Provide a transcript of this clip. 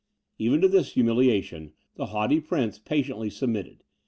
Even to this humiliation, the haughty prince patiently submitted.